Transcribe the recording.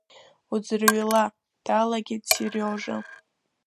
Уӡырҩла, дналагеит Сериожа…